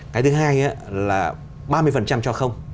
cái thứ hai là ba mươi cho không